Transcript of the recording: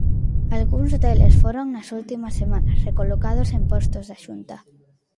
Algúns deles foron, nas últimas semanas, recolocados en postos da Xunta.